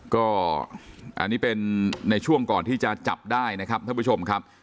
ก็อันนี้เป็นในช่วงก่อนที่จะจับได้นะครับท่านผู้ชมครับ